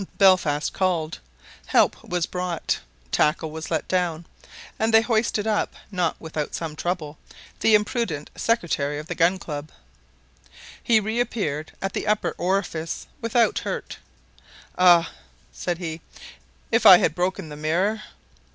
Belfast called. Help was brought, tackle was let down, and they hoisted up, not without some trouble, the imprudent secretary of the Gun Club. He reappeared at the upper orifice without hurt. "Ah!" said he, "if I had broken the mirror?"